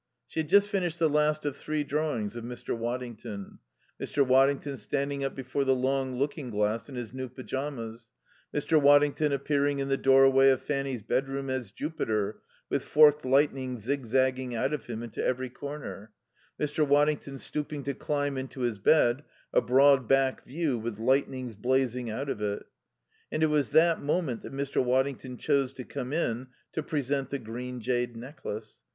She had just finished the last of three drawings of Mr. Waddington: Mr. Waddington standing up before the long looking glass in his new pyjamas; Mr. Waddington appearing in the doorway of Fanny's bedroom as Jupiter, with forked lightning zig zagging out of him into every corner; Mr. Waddington stooping to climb into his bed, a broad back view with lightnings blazing out of it. And it was that moment that Mr. Waddington chose to come in to present the green jade necklace.